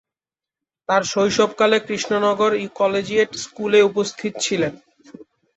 তার শৈশবকালে কৃষ্ণনগর কলেজিয়েট স্কুলে উপস্থিত ছিলেন।